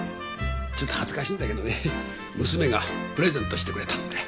ちょっと恥ずかしいんだけどね娘がプレゼントしてくれたんだよ。